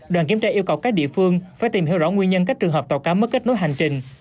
đoàn kiểm tra yêu cầu các địa phương phải tìm hiểu rõ nguyên nhân các trường hợp tàu cá mất kết nối hành trình